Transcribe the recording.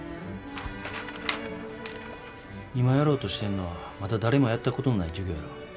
今やろうとしてんのはまだ誰もやったことのない事業やろ。